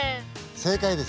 正解です！